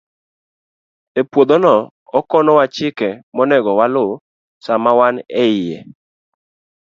E puodhono, okonowa chike monego waluw sama wan e iye.